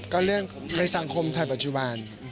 ก็เรื่องในสังคมไทยปัจจุบัน